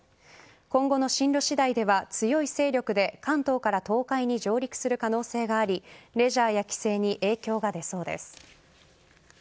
今後の進路次第では強い勢力で関東から東海に上陸する可能性がありレジャーや帰省に影響が出そうです。